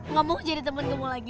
gak mau jadi temen kamu lagi